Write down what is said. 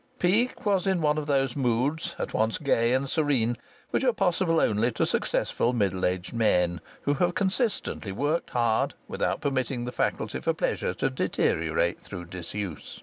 Peake was in one of those moods at once gay and serene which are possible only to successful middle aged men who have consistently worked hard without permitting the faculty for pleasure to deteriorate through disuse.